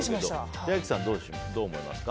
千秋さん、どう思いますか。